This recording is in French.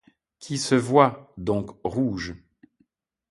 Qui se voie, donc rouge.